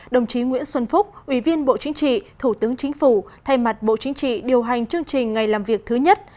đồng chí nguyễn xuân phúc ủy viên bộ chính trị thủ tướng chính phủ thay mặt bộ chính trị điều hành chương trình ngày làm việc thứ nhất